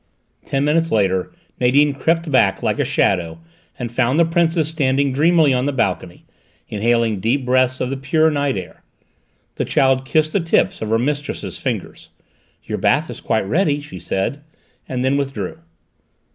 Ten minutes later Nadine crept back like a shadow, and found the Princess standing dreamily on the balcony, inhaling deep breaths of the pure night air. The child kissed the tips of her mistress's fingers. "Your bath is quite ready," she said, and then withdrew.